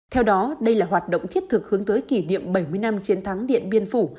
theo đó đây là hoạt động thiết thực hướng tới kỷ niệm bảy mươi năm chiến thắng điện biên phủ